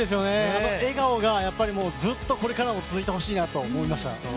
あの笑顔がずっとこれからも続いてほしいなと思いました。